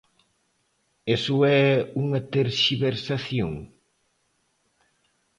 ¿Iso é unha terxiversación?